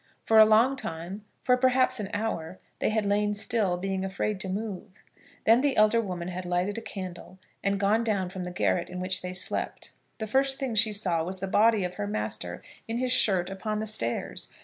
For a long time, for perhaps an hour, they had lain still, being afraid to move. Then the elder woman had lighted a candle, and gone down from the garret in which they slept. The first thing she saw was the body of her master, in his shirt, upon the stairs.